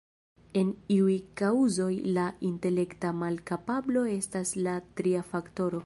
En iuj kaŭzoj la intelekta malkapablo estas la tria faktoro.